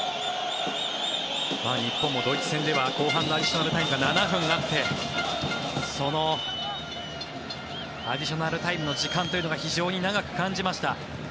日本もドイツ戦では後半アディショナルタイムが７分あってそのアディショナルタイムの時間というのが非常に長く感じました。